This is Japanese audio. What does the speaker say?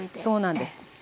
そうなんです。